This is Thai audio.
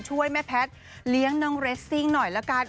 ช่วยแม่แพทย์เลี้ยงน้องเรสซิ่งหน่อยละกัน